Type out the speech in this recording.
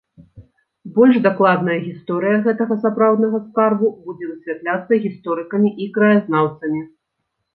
Больш дакладная гісторыя гэтага сапраўднага скарбу будзе высвятляцца гісторыкамі і краязнаўцамі.